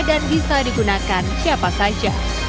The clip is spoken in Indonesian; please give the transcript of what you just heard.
dan bisa digunakan siapa saja